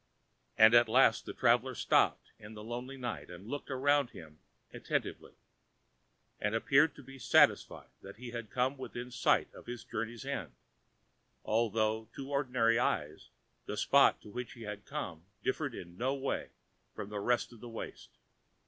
And at last the traveller stopped in the lonely night and looked round him attentively, and appeared to be satisfied that he had come within sight of his journey's end, although to ordinary eyes the spot to which he had come differed in no way from the rest of the waste.